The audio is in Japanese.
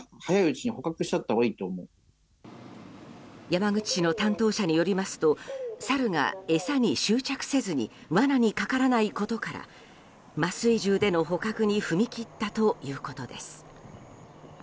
山口市の担当者によりますとサルが餌に執着せずに罠にかからないことから麻酔銃での捕獲に踏み切ったということです。